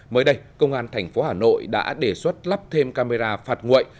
mới đây công an thành phố hà nội đã đề xuất lắp thêm camera phạt nguội